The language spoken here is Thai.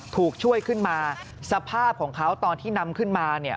ถูกช่วยขึ้นมาสภาพของเขาตอนที่นำขึ้นมาเนี่ย